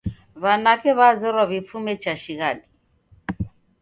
W'anake w'azerwa w'ifume cha shighadi